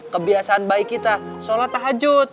kebiasaan baik kita sholat tahajud